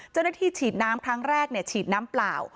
เจ้าหน้าที่ฉีดน้ำครั้งแรกฉีดน้ำเปล่า